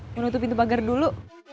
mau nutup pintu pagar dulu